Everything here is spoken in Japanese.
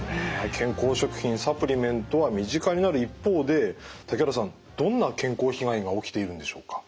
健康食品・サプリメントは身近になる一方で竹原さんどんな健康被害が起きているんでしょうか？